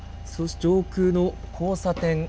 上空の交差点